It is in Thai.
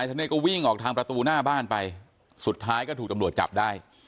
ธเนธก็วิ่งออกทางประตูหน้าบ้านไปสุดท้ายก็ถูกตำรวจจับได้